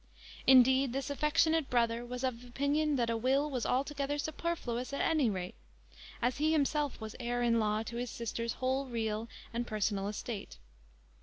Indeed, this affectionate brother was of opinion that a will was altogether superfluous at any rate, as he himself was heir in law to his sister's whole real and personal estate.